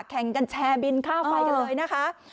แข่งกันแชร์บินค่าไฟกันเลยนะคะ